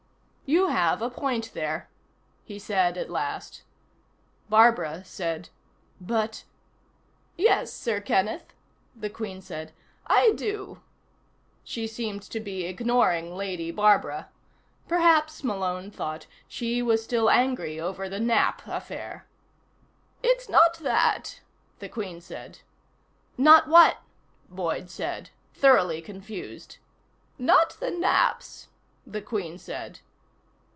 "You have a point there," he said at last. Barbara said: "But " "Yes, Sir Kenneth," the Queen said, "I do." She seemed to be ignoring Lady Barbara. Perhaps, Malone thought, she was still angry over the nap affair. "It's not that," the Queen said. "Not what?" Boyd said, thoroughly confused. "Not the naps," the Queen said.